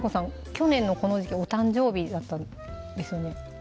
去年のこの時期お誕生日だったんですよね